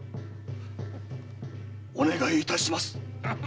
お願いいたします。